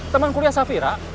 teman kuliah safira